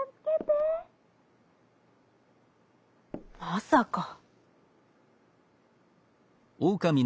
「まさか」。